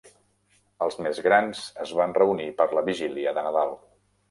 Els més grans es van reunir per la vigília de Nadal.